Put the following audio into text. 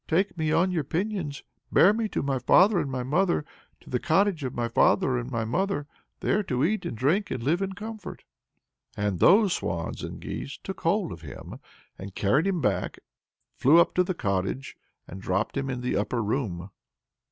Take me on your pinions, Bear me to my father and my mother, To the cottage of my father and my mother, There to eat, and drink, and live in comfort. And those swans and geese took hold of him and carried him back, flew up to the cottage, and dropped him in the upper room.